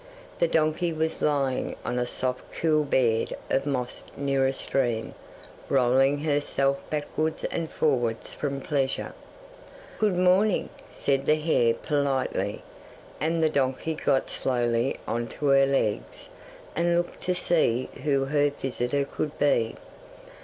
The donkey was lying on a soft cool bed of moss near a stream, rolling herself backwards and forwards from pleasure. '"Good morning," said the hare politely, and the donkey got slowly on to her legs, and looked to see who her visitor could be.